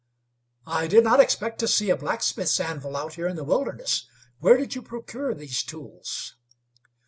"I did not expect to see a blacksmith's anvil out here in the wilderness. Where did you procure these tools?"